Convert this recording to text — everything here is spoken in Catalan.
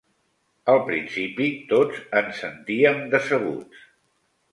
Al principi, tots ens sentíem decebuts